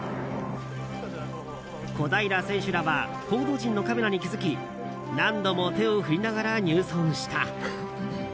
小平選手らは報道陣のカメラに気づき何度も手を振りながら入村した。